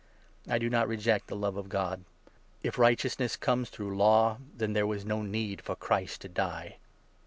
I do not reject 21 the love of God. If righteousness comes through Law, then there was no need for Christ to die